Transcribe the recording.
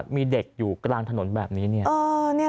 มีเด็กอยู่กลางถนนแบบนี้เนี่ย